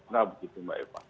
nah begitu mbak eva